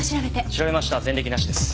調べました前歴なしです。